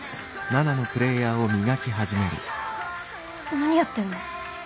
何やってんの？